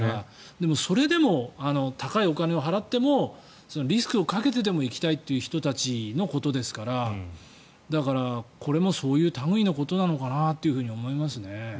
でもそれでも高いお金を払ってもリスクをかけてでも行きたいという人たちのことですからだから、これもそういう類いのことなのかなと思いますね。